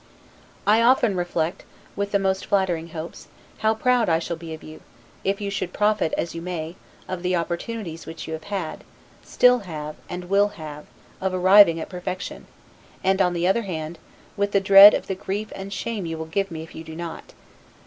I often reflect, with the most flattering hopes, how proud I shall be of you, if you should profit, as you may, of the opportunities which you have had, still have, and will have, of arriving at perfection; and, on the other hand, with dread of the grief and shame you will give me if you do not.